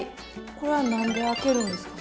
これは何で開けるんですか？